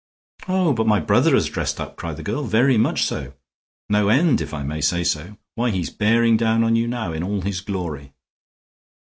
"Oh, but my brother has dressed up!" cried the girl. "Very much so. No end, if I may say so. Why he's bearing down on you now in all his glory."